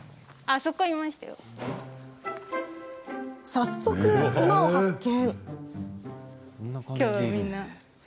早速、馬を発見。